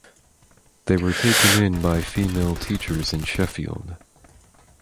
They were taken in by female teachers in Sheffield.